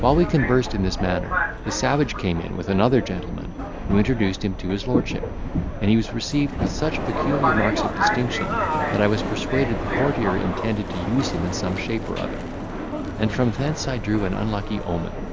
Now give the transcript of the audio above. While we conversed in this manner, the savage came in with another gentleman, who introduced him to his lordship, and he was received with such peculiar marks of distinction, that I was persuaded the courtier intended to use him in some shape or other; and from thence I drew an unlucky omen.